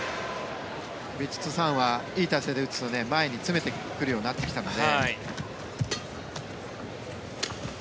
ヴィチットサーンはいい体勢で打つと前に詰めてくるようになってきたので。